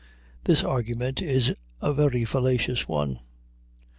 This argument is a very fallacious one.